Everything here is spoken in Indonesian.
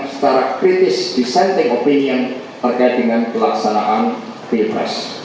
secara kritis dissenting opinion terkait dengan pelaksanaan pilpres